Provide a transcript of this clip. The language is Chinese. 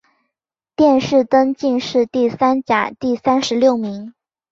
殿试登进士第三甲第三十六名。